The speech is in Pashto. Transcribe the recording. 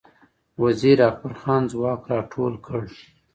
وزیر اکبرخان ځواک را ټول کړ